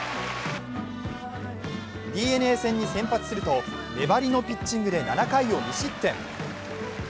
ＤｅＮＡ戦に先発すると粘りのピッチングで７回を無失点。